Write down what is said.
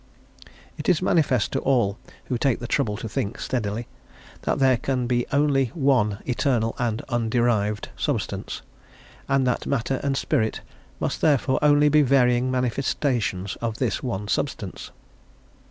It is manifest to all who will take the trouble to think steadily, that there can be only one eternal and underived substance, and that matter and spirit must therefore only be varying manifestations of this one substance.